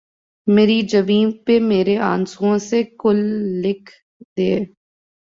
مری جبیں پہ مرے آنسوؤں سے کل لکھ دے